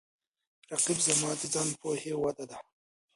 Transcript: رقیب زما د ځان پوهې وده ده